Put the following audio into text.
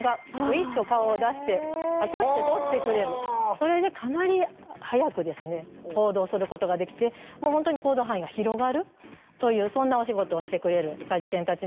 それでかなり早く行動することができて本当に行動範囲が広がるというそんなお仕事をしてくれる介助犬たちもいます。